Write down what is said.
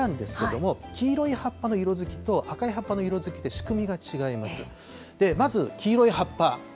この色づきなんですけれども、黄色い葉っぱの色づきと赤い葉っぱの色づきって仕組みが違います。